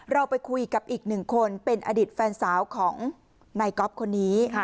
เราไปคุยกับอีกหนึ่งคนเป็นอดีตแฟนสาวของนายก๊อฟคนนี้